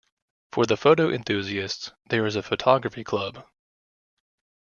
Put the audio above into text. For the photo enthusiasts there is a Photography Club.